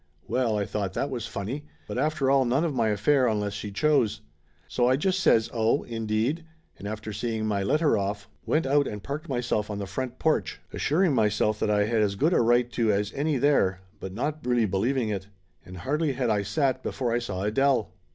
Well, I thought that was funny, but after all none of my affair unless she chose. So I just says "Oh, indeed?" and after seeing my letter off, went out and parked myself on the front porch, assuring myself that I had as good a right to as any there, but not really believing it. And hardly had I sat before I saw Adele.